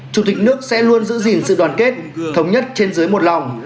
chủ tịch nước sẽ luôn giữ gìn sự đoàn kết thống nhất trên dưới một lòng